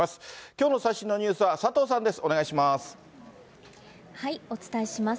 きょうの最新のニュースは佐藤さんです。